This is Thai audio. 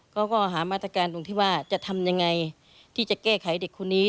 เขาก็หามาตรการตรงที่ว่าจะทำยังไงที่จะแก้ไขเด็กคนนี้